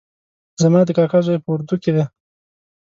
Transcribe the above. زما د کاکا زوی په اردو کې ده